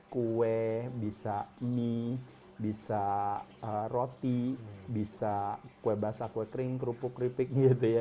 kue bisa mie bisa roti bisa kue basah kue kering kerupuk keripik gitu ya